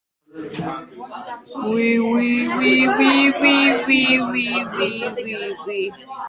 The nervous system determines the degree of motor unit activated in sport-like activities.